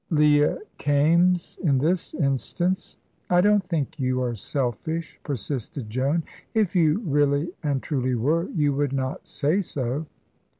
"Leah Kaimes in this instance." "I don't think you are selfish," persisted Joan; "if you really and truly were, you would not say so."